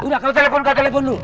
udah kalau telepon ke telepon dulu